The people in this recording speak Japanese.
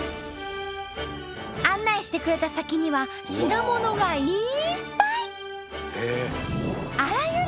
案内してくれた先には品物がいっぱい！